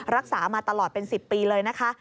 รักษามาตลอดเป็น๑๐ปีเลยนะคะ